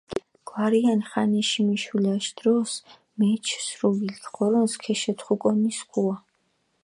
გვარიანი ხანიში მიშულაში დროს, მეჩჷ სრუვილქ, ღორონს ქეშეთხუკონი სქუა.